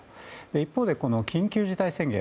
一方で緊急事態宣言